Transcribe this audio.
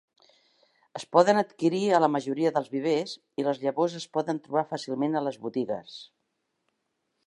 Es poden adquirir a la majoria dels vivers i les llavors es poden trobar fàcilment a les botigues.